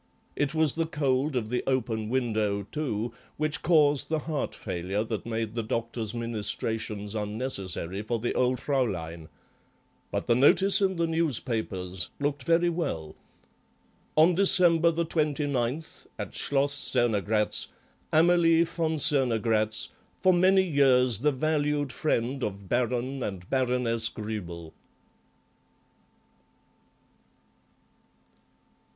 It was the cold of the open window, too, which caused the heart failure that made the doctor's ministrations unnecessary for the old Fraulein. But the notice in the newspapers looked very well— "On December 29th, at Schloss Cernogratz, Amalie von Cernogratz, for many years the valued friend of Baron and Baroness Gruebel."